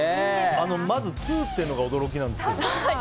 まず２っていうのが驚きなんですけど。